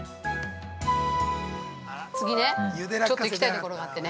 次ね、ちょっと行きたいところがあってね。